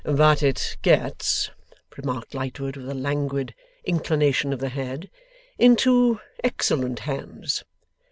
'But it gets,' remarked Lightwood, with a languid inclination of the head, 'into excellent hands.